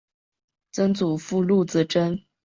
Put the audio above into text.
曾祖父陆子真。